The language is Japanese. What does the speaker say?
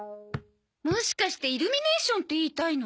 もしかしてイルミネーションって言いたいの？